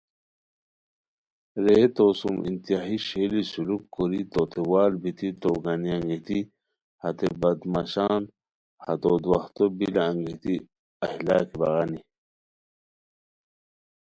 رے تو سُوم انتہائی ݰئیلی سلوک کوری توتے وال بیتی تو گانی انگیتی ہتے بدمعاشان ہتو دواہتو بیلہ انگیتی اہی لاکی بغانی